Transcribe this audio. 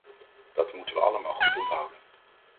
Dat moeten we allemaal goed onthouden.